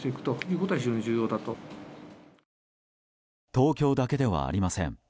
東京だけではありません。